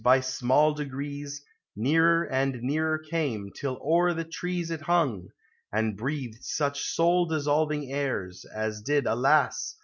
by small degrees, Nearer and nearer came, till o'er the trees It hung, and breathed such soul dissolving airs, As did, alas